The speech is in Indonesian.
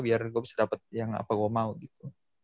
biar gue bisa dapet yang apa gue mau gitu